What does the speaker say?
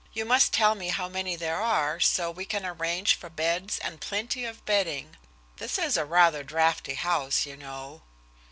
You must tell me how many there are so we can arrange for beds and plenty of bedding. This is a rather draughty house, you know."